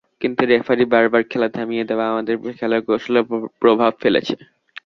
কিন্তু রেফারির বারবার খেলা থামিয়ে দেওয়া আমাদের খেলার কৌশলে প্রভাব ফেলেছে।